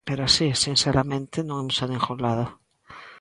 Pero así, sinceramente, non imos a ningún lado.